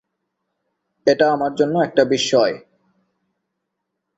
এটা আমার জন্য একটা বিশ্ময়।